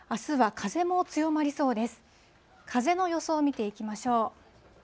風の予想を見ていきましょう。